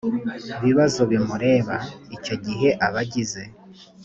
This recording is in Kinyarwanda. bibazo bimureba icyo gihe abagize